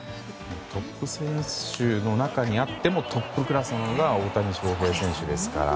トップ選手の中にあってもトップクラスの大谷翔平選手ですから。